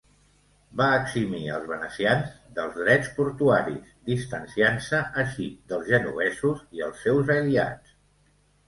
Va eximir els venecians dels drets portuaris, distanciant-se així dels genovesos i els seus aliats.